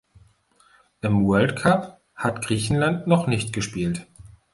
Im World Cup hat Griechenland noch nicht gespielt.